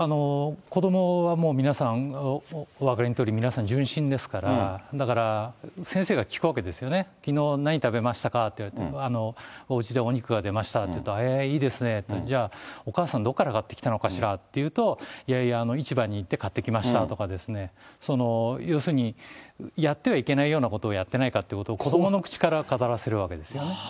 子どもはもう皆さん、お分かりのとおり、純真ですから、だから先生が聞くわけですよね、きのう何食べましたか？と言われて、おうちでお肉が出ましたって言うと、へー、いいですねと、じゃあ、お母さん、どこから買ってきたのかしらって言うと、いやいや、市場に行って買ってきましたとかですね、要するに、やってはいけないようなことをやってないかということを、子どもの口から語らせるわけですよね。